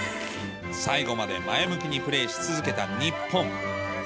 最後まで前向きにプレーし続けた日本。